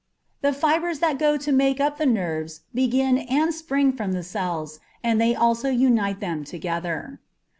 The fibres that go to make up the nerves begin and spring from the cells, and they also unite them together.